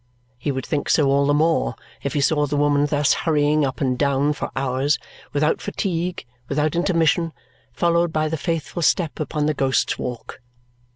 He would think so all the more if he saw the woman thus hurrying up and down for hours, without fatigue, without intermission, followed by the faithful step upon the Ghost's Walk.